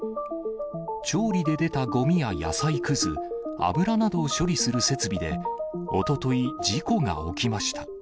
調理で出たごみや野菜くず、油などを処理する設備で、おととい、事故が起きました。